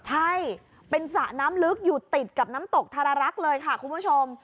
ใช่เป็นสระน้ำลึกอยู่ติดกับน้ำตกธารรักษ์เลยค่ะคุณผู้ชม